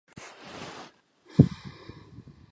目前广受串列汇流排所采用。